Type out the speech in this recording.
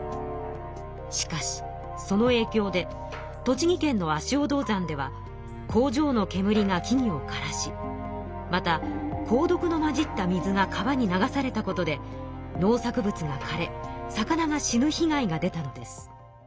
しかしその影響で栃木県の足尾銅山では工場のけむりが木々をからしまた鉱毒の混じった水が川に流されたことで農作物がかれ魚が死ぬ被害が出たのです。